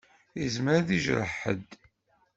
Izmer ad d-ijreḥ ḥedd.